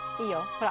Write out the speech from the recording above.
ほら。